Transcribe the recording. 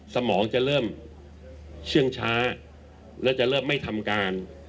สมองจะเริ่มเชื่องช้าแล้วจะเริ่มไม่ทำการ